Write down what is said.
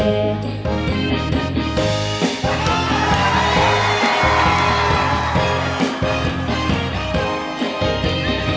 จ้า